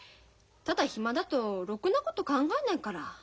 ただ暇だとろくなこと考えないから。